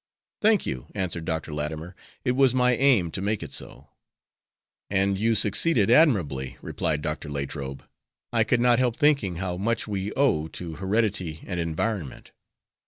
"Thank you," answered Dr. Latimer, "it was my aim to make it so." "And you succeeded admirably," replied Dr. Latrobe. "I could not help thinking how much we owe to heredity and environment."